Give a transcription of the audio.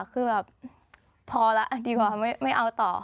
คือแบบพอแล้วดีกว่าไม่เอาต่อ